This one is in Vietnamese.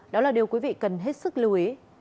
đó là điều quý vị cần hết sức lưu ý